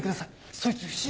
そいつ不審者。